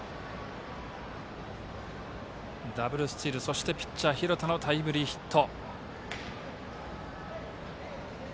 ダブルスチールそして廣田のタイムリーヒット。